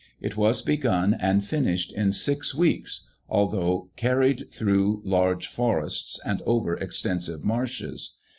It was begun and finished in six weeks, although carried through large forests and over extensive marshes.